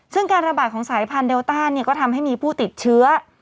ซึ่งการระบาดของสายพันธุเดลต้าก็ทำให้มีผู้ติดเชื้อ